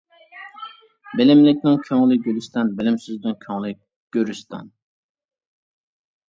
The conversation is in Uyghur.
بىلىملىكنىڭ كۆڭلى گۈلىستان، بىلىمسىزنىڭ كۆڭلى گۆرىستان.